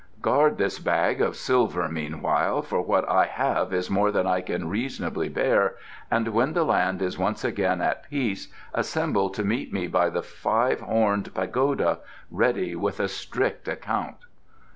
Guard this bag of silver meanwhile, for what I have is more than I can reasonably bear, and when the land is once again at peace, assemble to meet me by the Five Horned Pagoda, ready with a strict account."